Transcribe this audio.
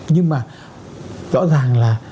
nhưng mà rõ ràng là